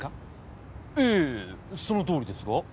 ええそのとおりですが。